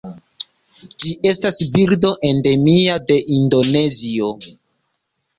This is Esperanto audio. Ĝi estas birdo endemia de Indonezio.